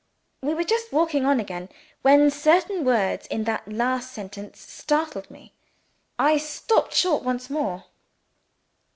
'" We were just walking on again, when certain words in that last sentence startled me. I stopped short once more.